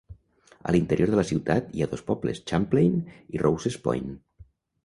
A l'interior de la ciutat hi ha dos pobles: Champlain i Rouses Point.